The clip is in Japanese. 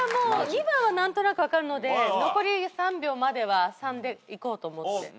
２番は何となく分かるので残り３秒までは３でいこうと思って。